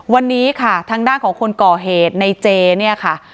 วันนี้ค่ะทางด้านของคนก่อเหตุในเจเนี่ยค่ะ